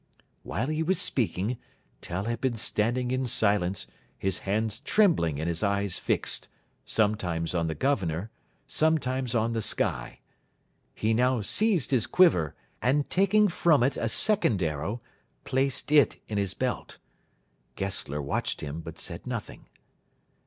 While he was speaking, Tell had been standing in silence, his hands trembling and his eyes fixed, sometimes on the Governor, sometimes on the sky. He now seized his quiver, and taking from it a second arrow, placed it in his belt. Gessler watched him, but said nothing.